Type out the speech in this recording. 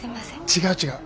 違う違う。